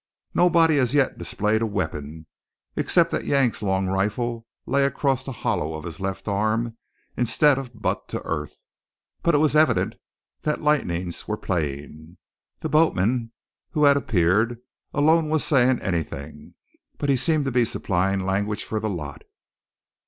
Nobody as yet displayed a weapon, except that Yank's long rifle lay across the hollow of his left arm instead of butt to earth; but it was evident that lightnings were playing. The boatman, who had appeared, alone was saying anything, but he seemed to be supplying language for the lot.